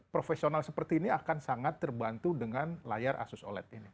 profesional seperti ini akan sangat terbantu dengan layar asus oled ini